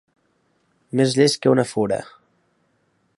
Més llest que una fura.